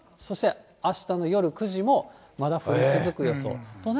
そして、あしたの夜９時もまだ降り続く予想。